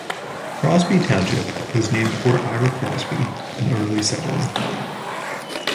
Crosby Township was named for Ira Crosby, an early settler.